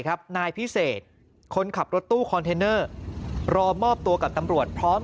นายพิเศษคนขับรถตู้คอนเทนเนอร์รอมอบตัวกับตำรวจพร้อม